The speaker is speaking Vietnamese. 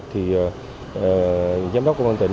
thì giám đốc công an tỉnh